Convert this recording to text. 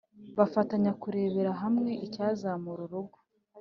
bagafatanya kurebera hamwe icyazamura urugo